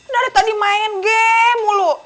dari tadi main game mulu